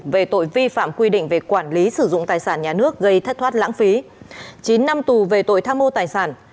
về tội vi phạm quy định về quản lý sử dụng tài sản nhà nước gây thất thoát lãng phí chín năm tù về tội tham mô tài sản